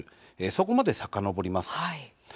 そこまでさかのぼります。